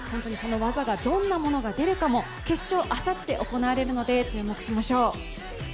その技がどんなものが出るかも、決勝はあさって行われるので注目しましょう。